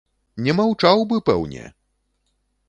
Не маўчаў бы, пэўне!